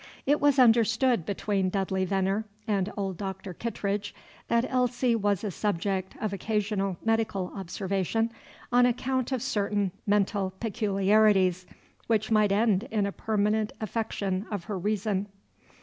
It was understood between Dudley Veneer and old Doctor Kittredge that Elsie was a subject of occasional medical observation, on account of certain mental peculiarities which might end in a permanent affection of her reason.